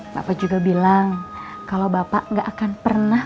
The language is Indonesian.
bapak juga bilang kalau bapak gak akan pernah